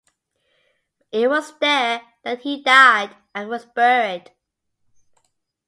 It was there that he died and was buried.